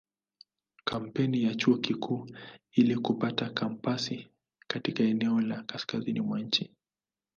Kampeni ya Chuo Kikuu ili kupata kampasi katika eneo la kaskazini mwa nchi.